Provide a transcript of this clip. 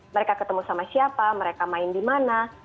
mereka ketemu sama siapa mereka main di mana